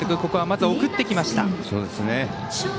ここはまず送ってきました。